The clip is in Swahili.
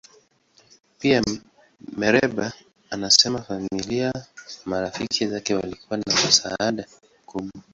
Pia, Mereba anasema familia na marafiki zake walikuwa na msaada mkubwa.